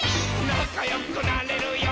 なかよくなれるよ。